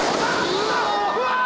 うわ！